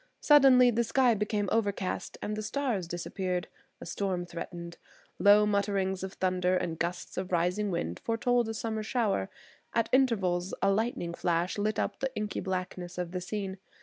Suddenly the sky became overcast and the stars disappeared. A storm threatened. Low mutterings of thunder and gusts of rising wind foretold a summer shower. At intervals a lightning flash lit up the inky blackness of the scene.